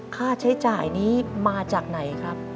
ค่าใช้จ่ายนี้มาจากไหนครับ